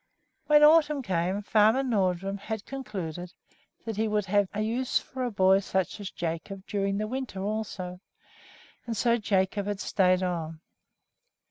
When autumn came Farmer Nordrum had concluded that he would have use for such a boy as Jacob during the winter also, and so Jacob had stayed on.